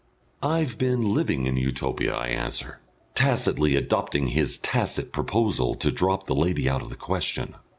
"I've been living in Utopia," I answer, tacitly adopting his tacit proposal to drop the lady out of the question.